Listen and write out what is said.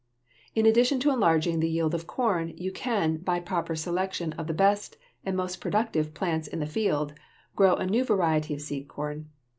In addition to enlarging the yield of corn, you can, by proper selection of the best and most productive plants in the field, grow a new variety of seed corn.